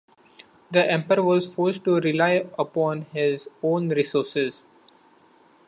The emperor was forced to rely upon his own resources.